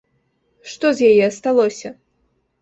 Што з яе асталося?